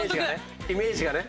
イメージがね。